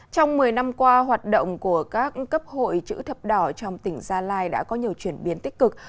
trong một mươi năm qua hoạt động của các cấp hội chữ thập đỏ trong tỉnh gia lai đã có nhiều chuyển biến tích cực